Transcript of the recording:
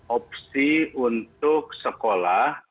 opsi untuk sekolah